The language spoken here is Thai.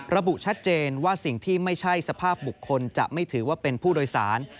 ระบุชัดเจนว่าสิ่งที่ไม่ใช่สภาพบุคคลจะไม่ถือว่าเป็นผู้โดยสาร